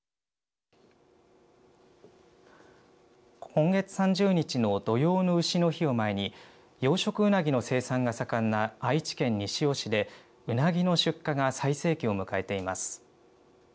今月３０日の土用のうしの日を前に養殖ウナギの生産が盛んな愛知県西尾市でウナギの出荷が最盛期を迎えています。